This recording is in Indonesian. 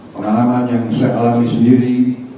penanganan yang saya alami sendiri